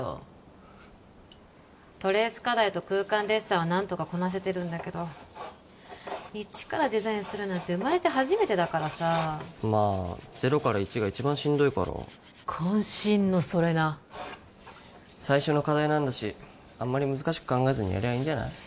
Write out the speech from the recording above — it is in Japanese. フフットレース課題と空間デッサンは何とかこなせてるんだけどイチからデザインするなんて生まれて初めてだからさまあゼロからイチが一番しんどいから渾身の「それな」最初の課題なんだしあんまり難しく考えずにやりゃいいんじゃない？